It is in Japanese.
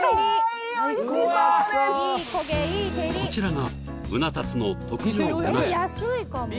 こちらがうな達の特上うな重